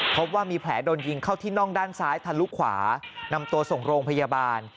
พบว่ามีแผลโดนยิงเข้าที่น่องด้านซ้ายทะลุขวานำตัวส่งโรงพยาบาล